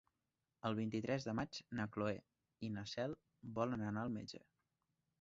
El vint-i-tres de maig na Cloè i na Cel volen anar al metge.